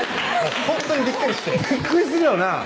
ほんとにびっくりしてびっくりするよなぁ